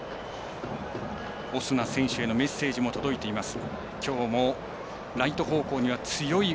オスナ選手へのメッセージも届いています。